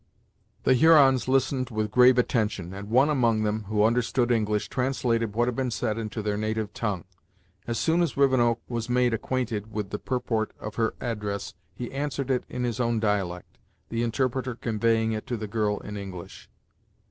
The Hurons listened with grave attention, and one among them, who understood English, translated what had been said into their native tongue. As soon as Rivenoak was made acquainted with the purport of her address he answered it in his own dialect; the interpreter conveying it to the girl in English.